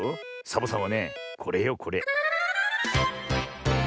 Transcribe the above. サボさんはねこれよこれ。